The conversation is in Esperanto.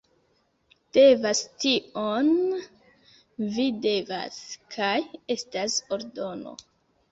Devas tion... Vi devas. Kaj estas ordono.